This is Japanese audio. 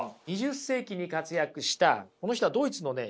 ２０世紀に活躍したこの人はドイツのね